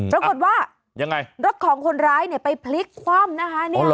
ปรากฏว่ายังไงรถของคนร้ายไปพลิกคว่ำนะคะ